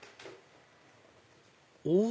お！